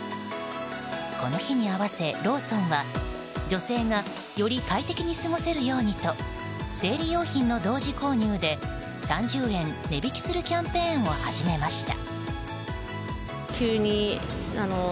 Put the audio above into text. この日に合わせローソンは女性がより快適に過ごせるようにと生理用品の同時購入で３０円値引きするキャンペーンを始めました。